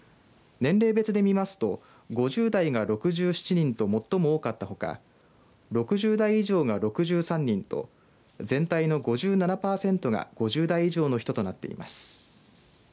年齢別で見ますと５０代が６７人と最も多かったほか６０代以上が６３人と全体の５７パーセントが５０代以上の人となっています。